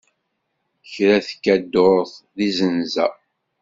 Kra tekka ddurt d imzenza.